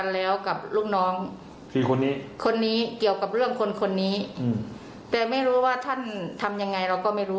แล้วกับเรื่องคนคนนี้แต่ไม่รู้ว่าท่านทำยังไงเราก็ไม่รู้